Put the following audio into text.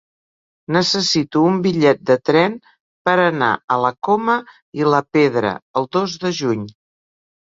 Necessito un bitllet de tren per anar a la Coma i la Pedra el dos de juny.